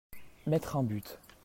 Mettre un but.